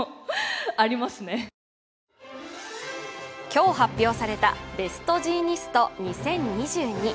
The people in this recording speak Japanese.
今日発表されたベストジーニスト２０２２。